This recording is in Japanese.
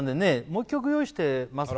もう１曲用意してます